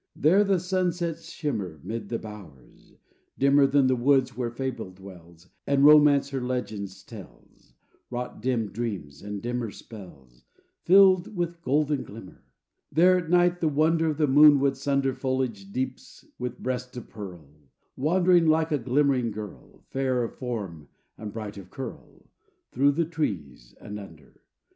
There the sunset's shimmer 'Mid the bowers, dimmer Than the woods where Fable dwells, And Romance her legends tells, Wrought dim dreams and dimmer spells, Filled with golden glimmer. There at night the wonder Of the moon would sunder Foliage deeps with breast of pearl, Wandering like a glimmering girl, Fair of form and bright of curl, Through the trees and under.